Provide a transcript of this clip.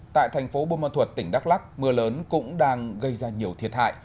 tại thành phố bô mơ thuật tỉnh đắk lắc mưa lớn cũng đang gây ra nhiều thiệt hại